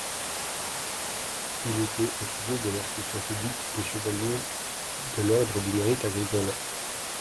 Il était officier de l'Instruction Publique et chevalier de l'Ordre du Mérite agricole.